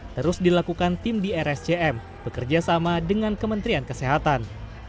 terus dilakukan tim di rscm bekerja sama dengan kementerian kesehatan